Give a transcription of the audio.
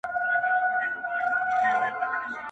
کليوال هلکان د پیښي په اړه خبري سره کوي-